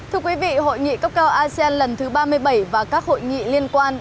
thưa quý vị hội nghị cấp cao asean lần thứ ba mươi bảy và các hội nghị liên quan